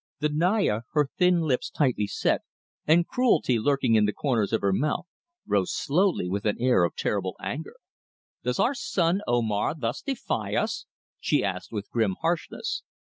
The Naya, her thin lips tightly set and cruelty lurking in the corners of her mouth, rose slowly with an air of terrible anger. "Does our son Omar thus defy us?" she asked with grim harshness.